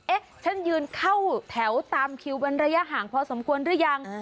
เอ๊ะฉันยืนเข้าแถวตามคิวเป็นระยะห่างพอสมควรหรือยัง